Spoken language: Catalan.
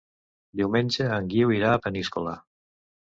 Diumenge en Guiu irà a Peníscola.